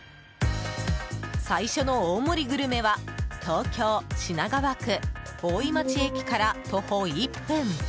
最初の大盛りグルメは東京・品川区大井町駅から徒歩１分。